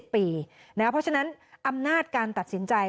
เพราะฉะนั้นอำนาจการตัดสินใจ